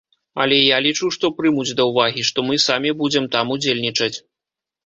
Але я лічу, што прымуць да ўвагі, што мы самі будзем там удзельнічаць.